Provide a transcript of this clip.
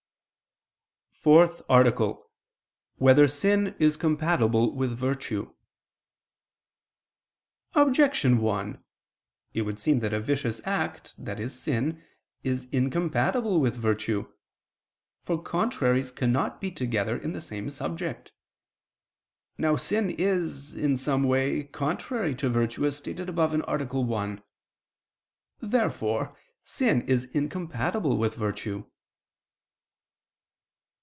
________________________ FOURTH ARTICLE [I II, Q. 71, Art. 4] Whether Sin Is Compatible with Virtue? Objection 1: It would seem that a vicious act, i.e. sin, is incompatible with virtue. For contraries cannot be together in the same subject. Now sin is, in some way, contrary to virtue, as stated above (A. 1). Therefore sin is incompatible with virtue.